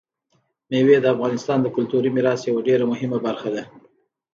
مېوې د افغانستان د کلتوري میراث یوه ډېره مهمه برخه ده.